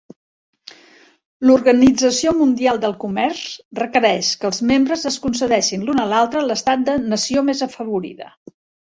L'Organització Mundial del Comerç requereix que els membres es concedeixin l'un a l'altre l'estat de "nació més afavorida".